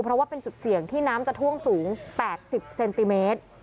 เพราะว่าเป็นจุดเสี่ยงที่น้ำจะท่วมสูง๘๐เซนติเมตร